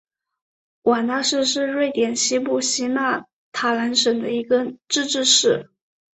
瓦拉市是瑞典西部西约塔兰省的一个自治市。